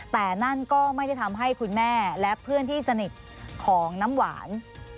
แต่นั่นก็ไม่ได้ทำให้คุณแม่และเพื่อนที่สนิทของน้ำหวาน